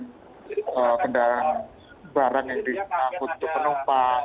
untuk kendaraan barang yang diangkut untuk penumpang